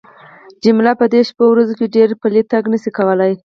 جميله په دې شپو ورځو کې ډېر پلی تګ نه شوای کولای.